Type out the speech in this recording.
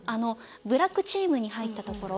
ブラックチームに入ったところ。